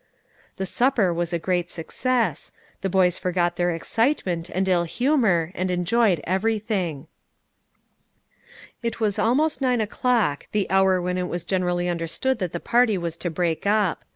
The supper was a great success; the boys forgot their excitement and ill humour, and enjoyed everything. It was almost nine o'clock, the hour when it was generally understood that the party was to break up.